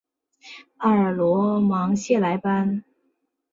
阿尔罗芒谢莱班。